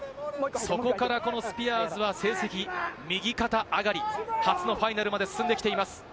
そこからスピアーズは成績、右肩上がり、初のファイナルまで進んできています。